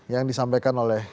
yang disampaikan oleh